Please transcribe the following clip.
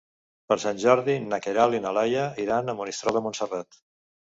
Per Sant Jordi na Queralt i na Laia iran a Monistrol de Montserrat.